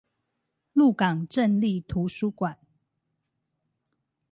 鹿港鎮立圖書館